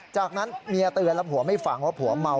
จากนั้นเมียเตือนแล้วผัวไม่ฟังว่าผัวเมา